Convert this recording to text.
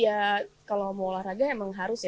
ya kalau mau olahraga emang harus ya